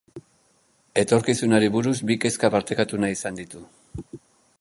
Etorkizunari buruz bi kezka partekatu nahi izan ditu.